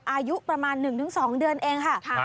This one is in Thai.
อายุประมาณ๑๒เดือนเองค่ะ